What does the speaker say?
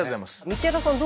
道枝さん